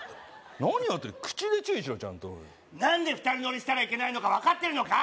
何やってんの口で注意しろちゃんと何で２人乗りしたらいけないのか分かってるのか？